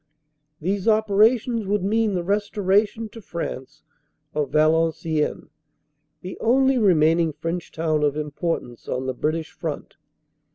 These operations would mean the restoration to France of Valenciennes, the only remaining French town of importance on the British front.